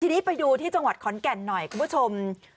ทีนี้ไปดูที่จังหวัดขอนแก่นหน่อยคุณผู้ชม